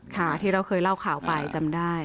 ค่ะที่เราเคยเล่าข่าวไปจำได้